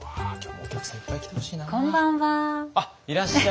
あっ！